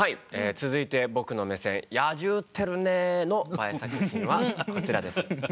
続いて僕の目線「野獣ってるねー！」のＢＡＥ作品はこちらです。